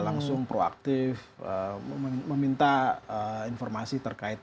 langsung proaktif meminta informasi informasi yang berkualitas